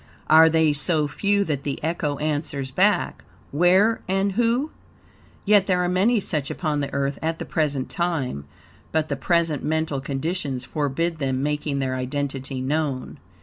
Are they so few that the echo answers back "Where and who?" Yet, there are many such upon the Earth at the present time, but the present mental conditions forbid them making their identity known.